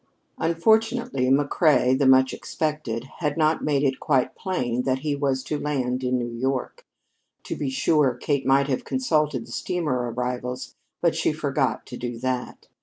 Unfortunately McCrea, the much expected, had not made it quite plain when he was to land in New York. To be sure, Kate might have consulted the steamer arrivals, but she forgot to do that.